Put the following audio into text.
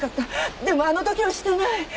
でもあのときはしてない。